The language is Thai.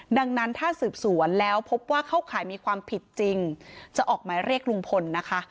ดังนั้นถ้าสืบสวนแล้วพบว่าเข้าข่ายมีความผิดจริงจะออกหมายเรียกลุงพลนะคะ